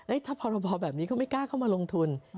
ถ้าพรบแบบนี้ก็ไม่กล้าเข้ามาลงทุน